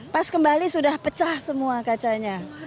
pas kembali sudah pecah semua kacanya